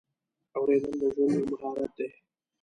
اورېدل د ژوند یو مهارت دی.